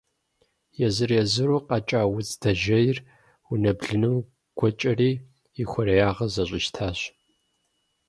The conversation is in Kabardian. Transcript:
Езыр-езыру къэкӏа удз дэжейр унэ блыным гуэкӏэри и хъуреягъыр зэщӏищтащ.